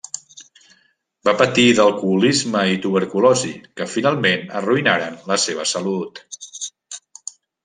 Va patir d'alcoholisme i tuberculosi, que finalment arruïnaren la seva salut.